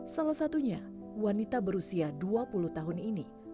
salah satunya wanita berusia dua puluh tahun ini